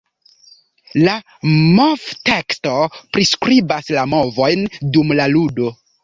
La movteksto priskribas la movojn dum la ludo.